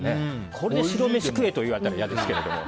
これで白飯を食えと言われたら嫌ですよね。